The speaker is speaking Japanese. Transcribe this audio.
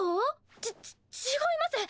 ちち違います。